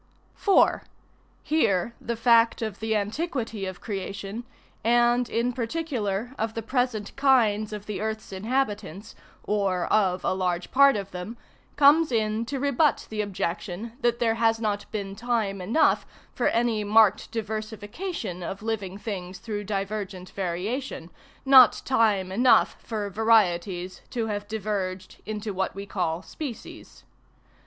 4. Here the fact of the antiquity of creation, and in particular of the present kinds of the earth's inhabitants, or of a large part of them, comes in to rebut the objection, that there has not been time enough for any marked diversification of living things through divergent variation, ŌĆö not time enough for varieties to have diverged into what we call species.